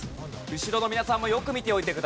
後ろの皆さんもよく見ておいてください。